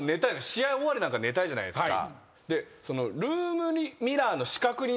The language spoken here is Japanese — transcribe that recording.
試合終わり寝たいじゃないですか。